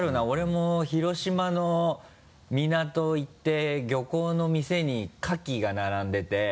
俺も広島の港行って漁港の店にカキが並んでて。